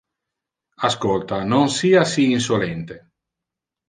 Ascolta! Non sia si insolente!